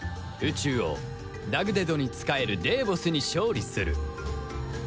蟲王ダグデドに仕えるデーボスに勝利する